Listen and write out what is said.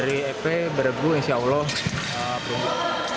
dari ep berebu insya allah perundu